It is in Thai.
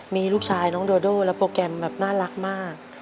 มีลูกชายน้องโดโดและโปรแกรมแบบน่ารักมาก